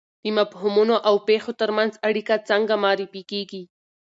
د مفهومونو او پېښو ترمنځ اړیکه څنګه معرفي کیږي؟